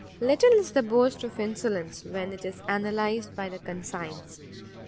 Little is the boast of insolence when it is analysed by the conscience!